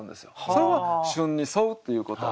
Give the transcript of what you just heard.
それは旬に沿うっていうこと。